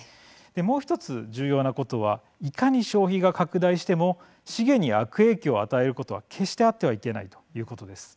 もう１つ、重要なことはいかに消費が拡大しても資源に悪影響を与えることは決してあってはいけないということです。